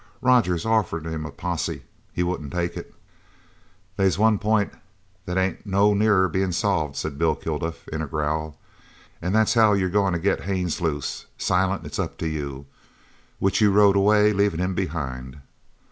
Rogers offered him a posse. He wouldn't take it." "They's one pint that ain't no nearer bein' solved," said Bill Kilduff in a growl, "an' that's how you're goin' to get Haines loose. Silent, it's up to you. Which you rode away leavin' him behind."